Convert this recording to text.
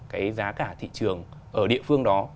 cái giá cả thị trường ở địa phương đó